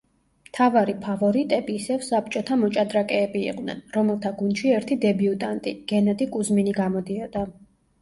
მთავარი ფავორიტები ისევ საბჭოთა მოჭადრაკეები იყვნენ, რომელთა გუნდში ერთი დებიუტანტი, გენადი კუზმინი, გამოდიოდა.